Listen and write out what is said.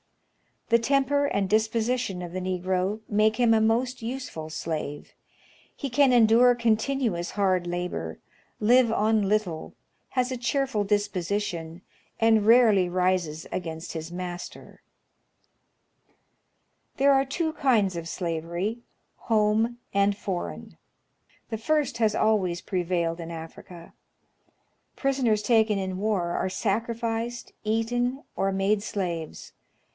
The temper and disposition of the Negro make him a most useful slave. He can endure con tinuous hard labor, live on little, has a cheerful disposition, and rarely rises against his master. There are two kinds of slavery, — home and foreign. The first has always prevailed in Africa. Prisoners taken in war are Africa^ its Past and Future. 113 sacrificed, eaten, or made slaves.